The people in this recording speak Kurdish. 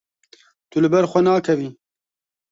Tu li ber xwe nakevî.